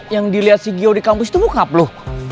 yang dilihat si gio di kampus itu bokap lo